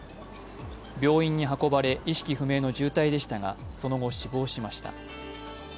病院に運ばれ意識不明の重体でしたが、その後、死亡しました。